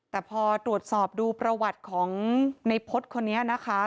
แต่พอตรวจสอบดูประวัติของในพฤษคนนี้นะคะ